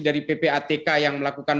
dari ppatk yang melakukan